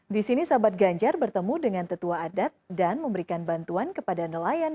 di sini sahabat ganjar bertemu dengan tetua adat dan memberikan bantuan kepada nelayan